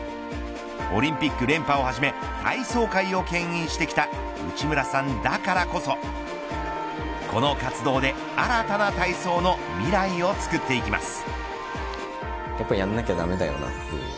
オリンピック連覇をはじめ体操界をけん引してきた内村さんだからこそこの活動で新たな体操の未来を作っていきます。